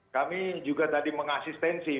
kami juga tadi mengasistensi